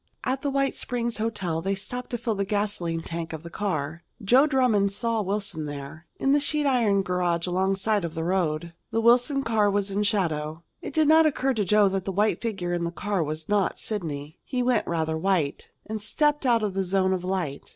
At the White Springs Hotel they stopped to fill the gasolene tank of the car. Joe Drummond saw Wilson there, in the sheet iron garage alongside of the road. The Wilson car was in the shadow. It did not occur to Joe that the white figure in the car was not Sidney. He went rather white, and stepped out of the zone of light.